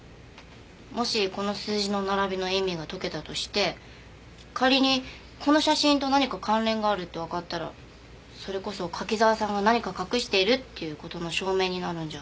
もしこの数字の並びの意味が解けたとして仮にこの写真と何か関連があるってわかったらそれこそ柿沢さんが何か隠しているっていう事の証明になるんじゃ。